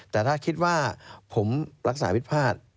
แต่ถ้าคิดว่าผมรักษาวิทธิภาษณ์